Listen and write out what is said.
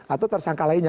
atau tersangka lainnya